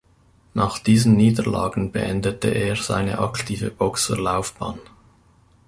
Nach diesen Niederlagen beendete er seine aktive Boxerlaufbahn.